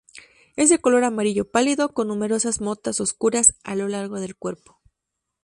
Es de color amarillo pálido, con numerosas motas oscuras a lo largo del cuerpo.